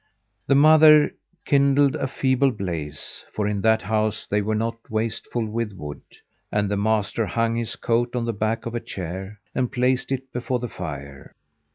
The mother kindled a feeble blaze for in that house they were not wasteful with wood and the master hung his coat on the back of a chair, and placed it before the fire.